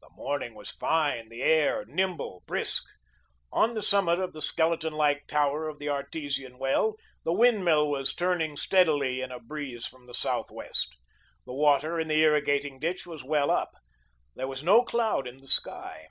The morning was fine, the air nimble, brisk. On the summit of the skeleton like tower of the artesian well, the windmill was turning steadily in a breeze from the southwest. The water in the irrigating ditch was well up. There was no cloud in the sky.